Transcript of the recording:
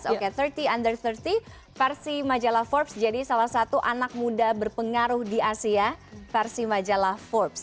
oke tiga puluh under tiga puluh versi majalah forbes jadi salah satu anak muda berpengaruh di asia versi majalah forbes